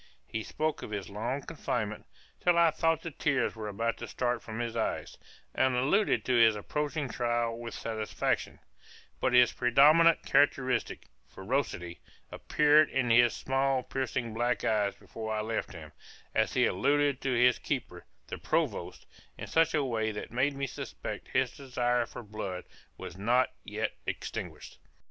He spoke of his long confinement, till I thought the tears were about to start from his eyes, and alluded to his approaching trial with satisfaction; but his predominant characteristic, ferocity, appeared in his small piercing black eyes before I left him, as he alluded to his keeper, the Provost, in such a way that made me suspect his desire for blood was not yet extinguished.